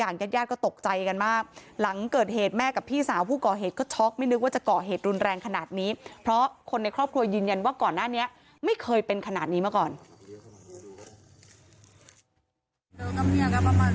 วันที่วันนั้นข้าไปรักษาเลยวันนั้นวันที่เขาไปนั้นเลยเลยเขาว่าเขาอยากคิดว่าบ้าน